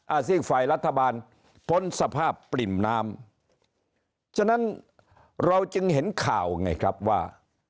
ซีกฝ่ายรัฐบาลพ้นสภาพปริ่มน้ำฉะนั้นเราจึงเห็นข่าวไงครับว่า